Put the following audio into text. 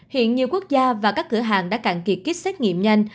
hiện nhiều quốc gia và các cửa hàng đã cạn kiệt kích xét nghiệm nhanh